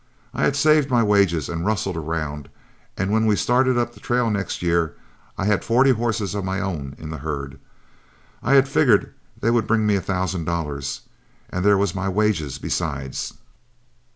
I had saved my wages and rustled around, and when we started up the trail next year, I had forty horses of my own in the herd. I had figured they would bring me a thousand dollars, and there was my wages besides.